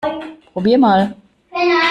Probier mal!